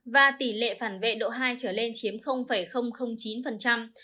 và tỷ lệ phản vệ độ hai trở lên chiếm chín